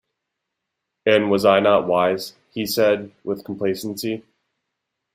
"And was I not wise?" he said, with complacency.